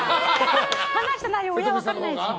話した内容、親は分からないです。